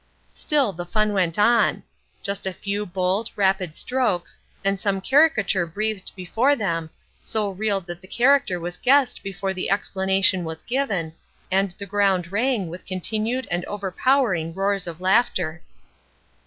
Still the fun went on. Just a few bold, rapid strokes, and some caricature breathed before them, so real that the character was guessed before the explanation was given, and the ground rang with continued and overpowering roars of laughter.